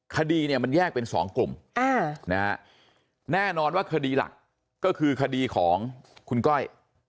คดีเนี่ยมันแยกเป็น๒กลุ่มแน่นอนว่าคดีหลักก็คือคดีของคุณก้อย